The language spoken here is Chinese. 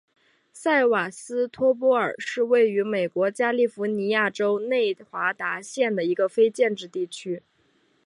塞瓦斯托波尔是位于美国加利福尼亚州内华达县的一个非建制地区。